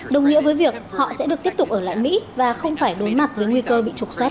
đồng nghĩa với việc họ sẽ được tiếp tục ở lại mỹ và không phải đối mặt với nguy cơ bị trục xuất